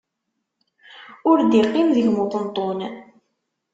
Ur d-iqqim deg-m uṭenṭun.